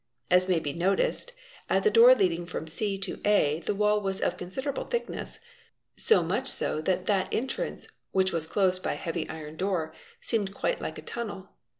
As may be noticed, at A 3 ee ' the door leading from C to A the wall was . RE of considerable thickness, so much so that Ez, Ez. that entrance (which was closed by a heavy 1 a iron door) seemed quite like a tunnel.